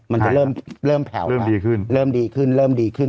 มันจะเริ่มแผ่วมาเริ่มดีขึ้น